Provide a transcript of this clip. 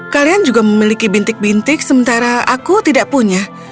kalian juga memiliki bintik bintik sementara aku tidak punya